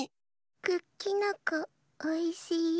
クッキノコおいしいよ。